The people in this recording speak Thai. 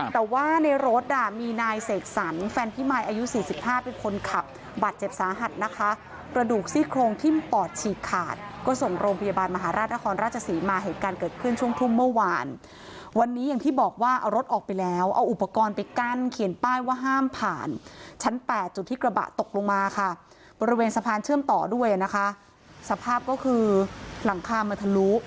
แต่ว่าในรถมีนายเสกสรรแฟนพี่มายอายุ๔๕เป็นคนขับบัตรเจ็บสาหัสนะคะประดูกซี่โครงที่ปอดฉีกขาดก็ส่งโรงพยาบาลมหาราชนครราชสีมาเหตุการณ์เกิดขึ้นช่วงทุ่มเมื่อวานวันนี้อย่างที่บอกว่าเอารถออกไปแล้วเอาอุปกรณ์ไปกั้นเขียนป้ายว่าห้ามผ่านชั้น๘จุดที่กระบะตกลงมาค่ะบริเวณสะพานเชื่อมต่